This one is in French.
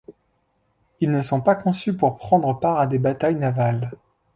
Ils ne sont pas conçus pour prendre part à des batailles navales.